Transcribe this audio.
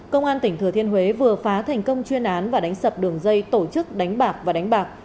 công an tỉnh thừa thiên huế vừa phá thành công chuyên án và đánh sập đường dây tổ chức đánh bạc và đánh bạc